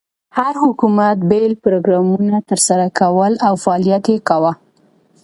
هر حکومت بېل پروګرامونه تر سره کول او فعالیت یې کاوه.